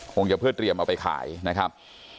คงจะเพื่อเตรียมเอาไปขายนะครับ